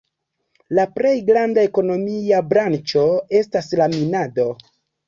La plej granda ekonomia branĉo estas la minado.